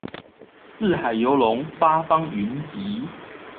四海遊龍，八方雲集